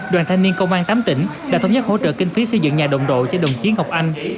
đoàn thanh niên công an tám tỉnh đã thống nhất hỗ trợ kinh phí xây dựng nhà đồng đội cho đồng chí ngọc anh